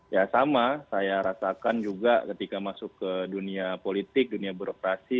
ya sama saya rasakan juga ketika masuk ke dunia politik dunia birokrasi